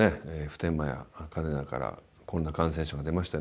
普天間や嘉手納からコロナ感染者が出ましたよね。